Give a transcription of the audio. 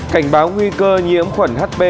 cảnh báo nguy cơ nhiễm khuẩn hb